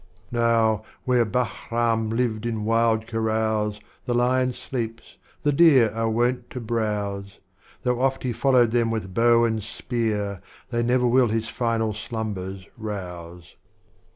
Now, here where Bahrdm^ lived iu wild carouse, The Lion sleeps, the Deer are wont to brouse. Though oft he followed them with bow and Spear, They never will his Final Slumbers rouse.